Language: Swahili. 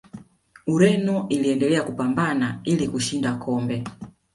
ureno iliendelea kupambana ili kushinda kombe